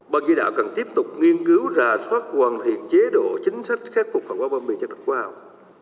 băng kỳ đạo cần tiếp tục nghiên cứu rà soát hoàn thiện chế độ chính sách khép phục hỏa hóa bom mìn chất độc hóa học